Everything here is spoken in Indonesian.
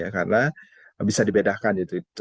karena bisa dibedakan